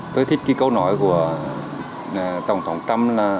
tôi thích cái câu nói của tổng thống trump là